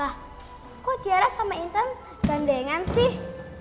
lah kok tiara sama intan bandengan sih